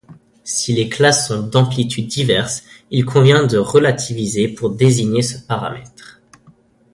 Si les classes sont d'amplitudes diverses, il convient de relativiser pour désigner ce paramètre.